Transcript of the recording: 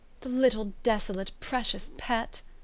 "The little desolate precious pet!"